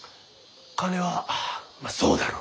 金はまあそうだろうが。